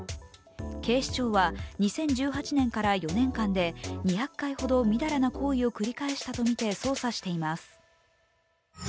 警視庁は、２０１８年から４年間で２００回ほどみだらな行為を繰り返したとして捜査しています。